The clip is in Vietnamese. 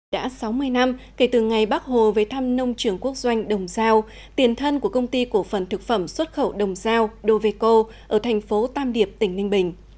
đã sáu mươi năm kể từ ngày bác hồ về thăm nông trường quốc doanh đồng giao tiền thân của công ty cổ phần thực phẩm xuất khẩu đồng giao doveco ở thành phố tam điệp tỉnh ninh bình